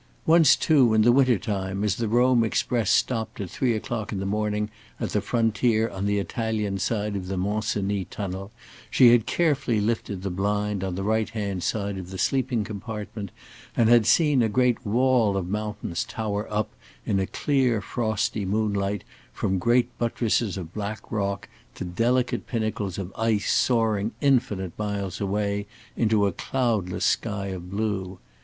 Once, too, in the winter time, as the Rome express stopped at three o'clock in the morning at the frontier on the Italian side of the Mont Cenis tunnel, she had carefully lifted the blind on the right hand side of the sleeping compartment and had seen a great wall of mountains tower up in a clear frosty moonlight from great buttresses of black rock to delicate pinnacles of ice soaring infinite miles away into a cloudless sky of blue.